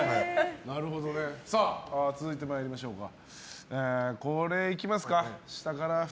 続いて参りましょうか。